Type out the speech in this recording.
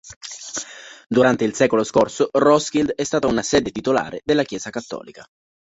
Durante il secolo scorso Roskilde è stata una sede titolare della Chiesa cattolica.